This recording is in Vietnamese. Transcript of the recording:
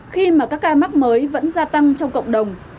khi mà các ca mắc mới vẫn gia tăng trong cộng đồng